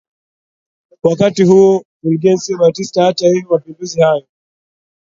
Wakati huo Fulgencio Batista hata hivyo mapinduzi hayo